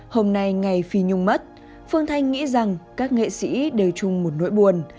hôm nay ngày phi nhung mất phương thanh nghĩ rằng các nghệ sĩ đều chung một nỗi buồn